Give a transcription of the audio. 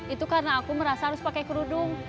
itu karena aku merasa harus pakai kerudung